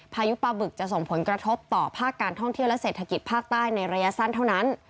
พายุปลาบึกจะส่งผลกระทบต่อภาคการท่องเที่ยวและเศรษฐกิจภาคใต้ในระยะสั้นเท่านั้น